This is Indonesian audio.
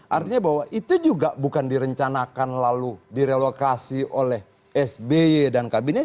artinya bahwa itu juga bukan direncanakan lalu direlokasi oleh sby dan kabinet